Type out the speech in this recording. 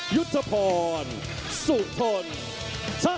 ยุทธพรสุทธนสนายกว้าว